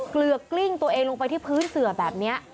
เกลือกกลิ้งตัวเองลงไปที่พื้นเสือแบบนี้